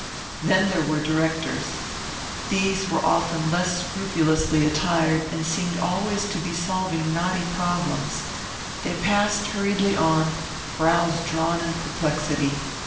Then there were directors. These were often less scrupulously attired and seemed always to be solving knotty problems. They passed hurriedly on, brows drawn in perplexity.